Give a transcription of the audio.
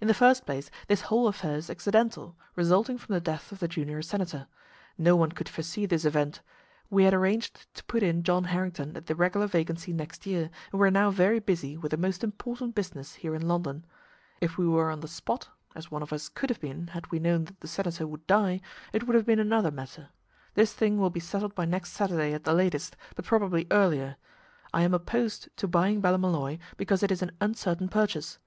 "In the first place this whole affair is accidental, resulting from the death of the junior senator. No one could foresee this event. We had arranged to put in John Harrington at the regular vacancy next year, and we are now very busy with a most important business here in London. If we were on the spot, as one of us could have been had we known that the senator would die, it would have been another matter. This thing will be settled by next Saturday at the latest, but probably earlier. I am opposed to buying Ballymolloy, because it is an uncertain purchase.